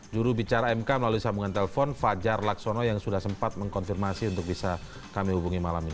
juru bicara mk melalui sambungan telpon fajar laksono yang sudah sempat mengkonfirmasi untuk bisa kami hubungi malam ini